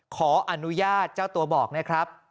ขออนุญาตเจ้าตัวบอกนะครับ